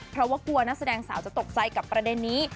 เพราะว่ากลัวนักแสดงสาวจะตกใจกับประเด็นนี้